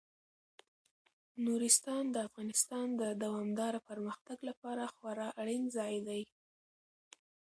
نورستان د افغانستان د دوامداره پرمختګ لپاره خورا اړین ځای دی.